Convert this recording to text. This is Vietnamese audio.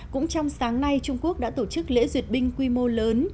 cũng trong sáng nay trung quốc đã tổ chức lễ duyệt binh quy mô lớn